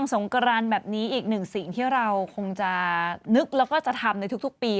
สงกรานแบบนี้อีกหนึ่งสิ่งที่เราคงจะนึกแล้วก็จะทำในทุกปี